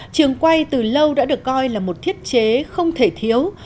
trường quay từ lâu đã được coi là một thiết chế không thể thiếu